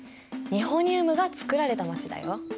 ニホニウムが作られた街だよ。